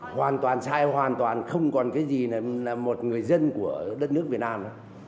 hoàn toàn sai hoàn toàn không còn cái gì là một người dân của đất nước việt nam nữa